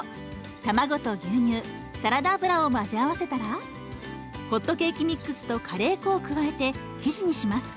卵と牛乳サラダ油を混ぜ合わせたらホットケーキミックスとカレー粉を加えて生地にします。